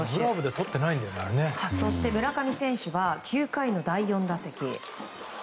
そして村上選手は９回の第４打席。